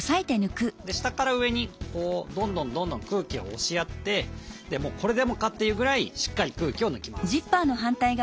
下から上にどんどんどんどん空気を押しやってこれでもかっていうぐらいしっかり空気を抜きます。